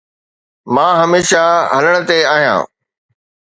مان هميشه هلڻ تي آهيان